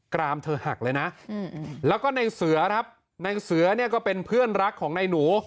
รามเธอหักเลยนะแล้วก็ในเสือครับในเสือเนี่ยก็เป็นเพื่อนรักของนายหนู